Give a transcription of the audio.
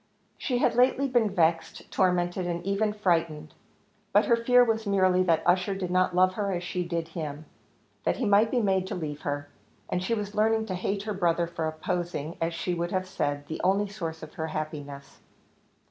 She had lately been vexed, tormented, and even frightened; but her fear was merely that Ussher did not love her as she did him that he might be made to leave her; and she was learning to hate her brother for opposing, as she would have said, the only source of her happiness.